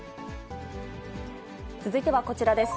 続いてはこちらです。